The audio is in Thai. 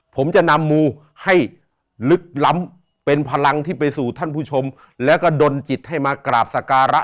ผมจะนำมูให้ลึกล้ำเป็นพลังที่ไปสู่ท่านผู้ชมแล้วก็ดนจิตให้มากราบสการะ